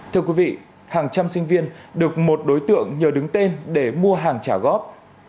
thưa quý vị hàng trăm sinh viên được một đối tượng nhờ đứng tên để mua hàng trả góp